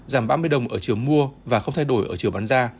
giảm ba mươi đồng ở chiều mua và không thay đổi ở chiều bán ra